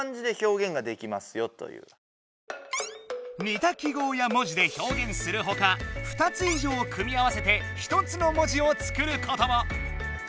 似た記号や文字で表現するほか２つい上組み合わせて１つの文字を作ることも！